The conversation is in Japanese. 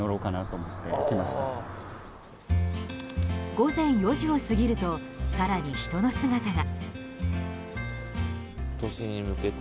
午前４時を過ぎると更に人の姿が。